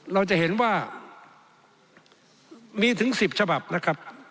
เราจะเห็นว่ามีถึง๑๐ฉบับนะครับ